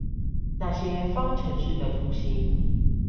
那些方程式的圖形